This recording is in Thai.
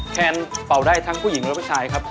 แทนเป่าได้ทั้งผู้หญิงและผู้ชายครับ